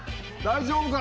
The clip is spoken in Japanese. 大丈夫か？